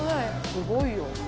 すごいよ。